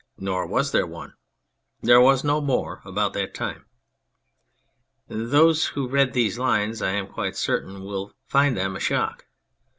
64 On a Prophet Nor was there one. There was no war about that time. Those who read these lines, I am quite certain, will find them a shock.